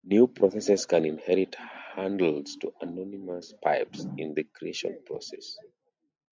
New processes can inherit handles to anonymous pipes in the creation process.